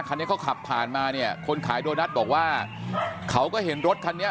คันนี้เขาขับผ่านมาเนี่ยคนขายโดนัทบอกว่าเขาก็เห็นรถคันนี้